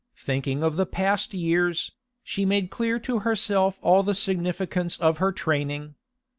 Thinking of the past years, she made clear to herself all the significance of her training.